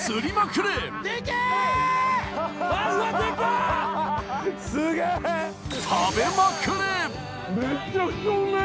・めちゃくちゃうめぇ！